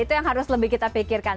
itu yang harus lebih kita pikirkan